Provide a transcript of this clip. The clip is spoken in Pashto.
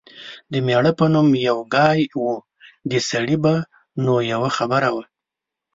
د مېړه به نو یو ګای و . د سړي به نو یوه خبره وه